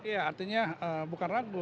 iya artinya bukan ragu